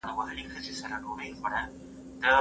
په ښوونځیو کي د ماشومانو استعدادونه روزل کېږي.